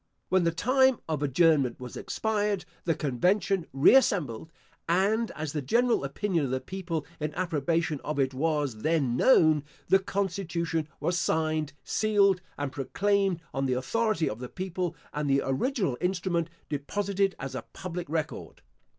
When the time of adjournment was expired, the convention re assembled; and as the general opinion of the people in approbation of it was then known, the constitution was signed, sealed, and proclaimed on the authority of the people and the original instrument deposited as a public record.